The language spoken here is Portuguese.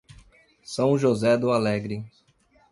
São José do Alegre